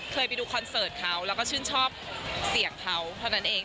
ไปดูคอนเสิร์ตเขาแล้วก็ชื่นชอบเสียงเขาเท่านั้นเอง